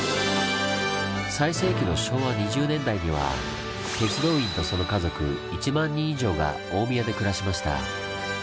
最盛期の昭和２０年代には鉄道員とその家族１万人以上が大宮で暮らしました。